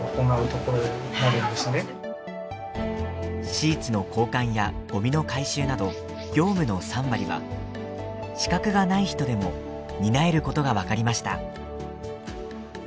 シーツの交換やゴミの回収など業務の３割は資格がない人でも担えることが分かりました。